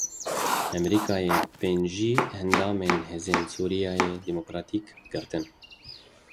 Amerîkayê pêncî endamên Hêzên Sûriya Demokratîk girtin.